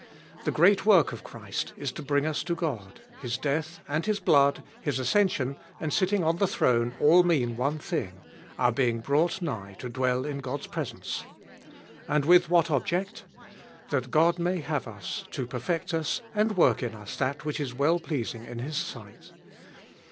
The great work of Christ is to bring us to God ; His death and His blood, His ascension and sitting on the throne, all mean one thing — our being brought nigh to dwell in God's presence. And with what object ? That God may have us, to perfect us, and work in us that which is well pleasing in His sight.